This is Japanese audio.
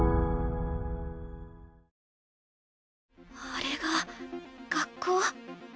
あれが学校。